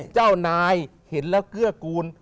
เจ้านายเห็นแล้วเกื้อกูล